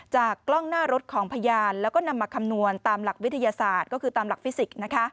กล้องหน้ารถของพยานแล้วก็นำมาคำนวณตามหลักวิทยาศาสตร์ก็คือตามหลักฟิสิกส์